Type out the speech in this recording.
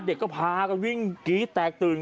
เด็กก็พากันวิ่งกรี๊ดแตกตื่น